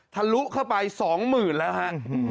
ทะลุเข้าไป๒หมื่นแล้วฮะ